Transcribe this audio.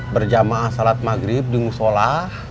berjamaah sholat maghrib di musola